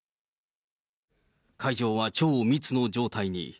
会場は超密の状態に。